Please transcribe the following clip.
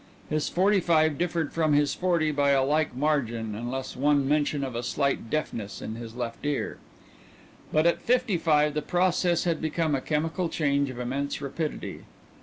His forty five differed from his forty by a like margin, unless one mention a slight deafness in his left ear. But at fifty five the process had become a chemical change of immense rapidity.